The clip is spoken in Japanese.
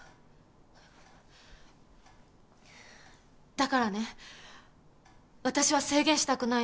だからね私は制限したくないの。